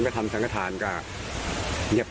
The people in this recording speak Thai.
ลักษณะมันลาง